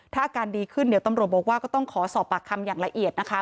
ถ้าอาการดีขึ้นเดี๋ยวตำรวจบอกว่าก็ต้องขอสอบปากคำอย่างละเอียดนะคะ